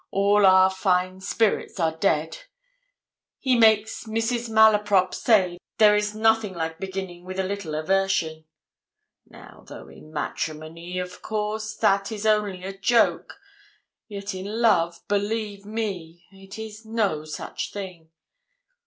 all our fine spirits are dead he makes Mrs. Malaprop say there is nothing like beginning with a little aversion. Now, though in matrimony, of course, that is only a joke, yet in love, believe me, it is no such thing.